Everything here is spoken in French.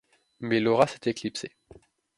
Mais Laura s'est éclipsée.